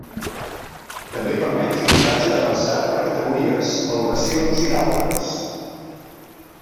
També permet filtratge avançat per categories, valoracions i d'altres.